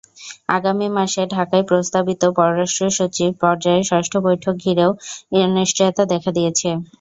আগামী মাসে ঢাকায় প্রস্তাবিত পররাষ্ট্রসচিব পর্যায়ের ষষ্ঠ বৈঠক ঘিরেও অনিশ্চয়তা দেখা দিয়েছে।